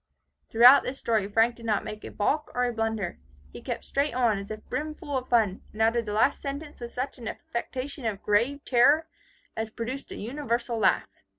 '" Throughout this story Frank did not make a balk or a blunder. He kept straight on, as if brimful of fun, and uttered the last sentence with such an affectation of grave terror, as produced a universal laugh.